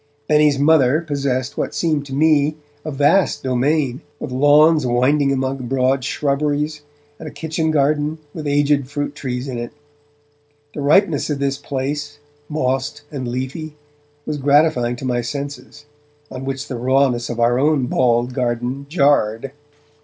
Benny's mother possessed what seemed to me a vast domain, with lawns winding among broad shrubberies, and a kitchen garden, with aged fruit trees in it. The ripeness of this place, mossed and leafy, was gratifying to my senses, on which the rawness of our own bald garden jarred.